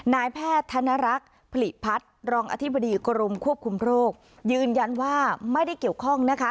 นายแพทย์ธนรักษ์ผลิพัฒน์รองอธิบดีกรมควบคุมโรคยืนยันว่าไม่ได้เกี่ยวข้องนะคะ